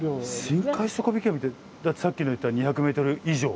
深海底引き網ってさっき言った２００ｍ以上？